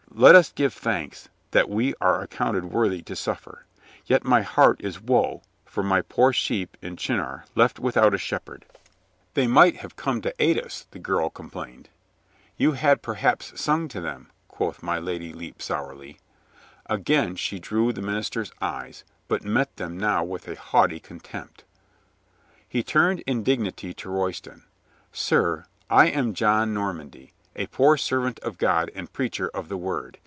Let us give thanks that we are ac counted worthy to suffer. Yet my heart is woe for my poor sheep in Chinnor left without a shepherd." 26 COLONEL GREATHEART "They might have come to aid us," the girl com plained. "You had perhaps sung to them," quoth my Lady Lepe sourly. Again she drew the minister's eyes, but met them now with a haughty contempt. He turned in dignity to Royston. "Sir, I am John Normandy, a poor servant of God and preacher of the Word.